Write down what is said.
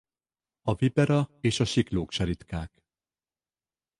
A vipera és a siklók se ritkák.